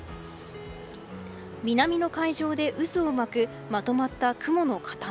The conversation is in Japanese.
南の海上で、渦を巻くまとまった雲の塊。